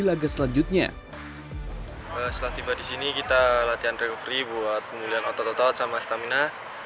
laga selanjutnya setelah tiba di sini kita latihan refree buat pemulihan otot otot sama stamina